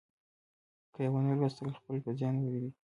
که یې ونه ولوستل، خپله به زیان وویني.